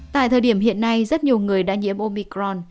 tại thời điểm hiện nay rất nhiều người đã nhiễm omicron